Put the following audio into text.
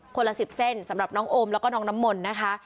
ละ๑๐เส้นสำหรับน้องโอมแล้วก็น้องน้ำมนต์นะคะ